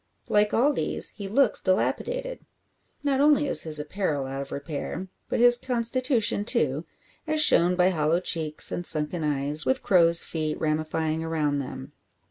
Like all these, he looks dilapidated. Not only is his apparel out of repair, but his constitution too, as shown by hollow cheeks and sunken eyes, with crows' feet ramifying around them.